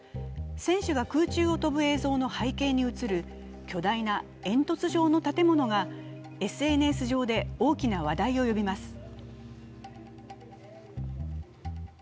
選手が空中を飛ぶ映像の背景に映る巨大な煙突状の建物がＳＮＳ上で大きな話題を呼びます。